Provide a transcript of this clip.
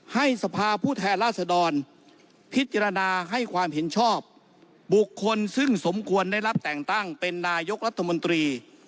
ให้สภาผู้แทนราษดรพิจารณาให้ความเห็นชอบบุคคลซึ่งสมควรได้รับแต่งตั้งเป็นนายกรัฐมนตรี